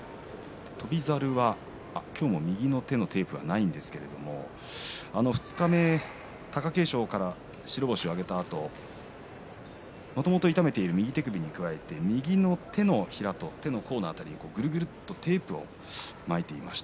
翔猿は今日も右の手のテープはないんですけれども二日目、貴景勝から白星を挙げたあと、もともと痛めていた右手首に加えて右の手のひらと甲のところにぐるぐるとテープを巻いていました。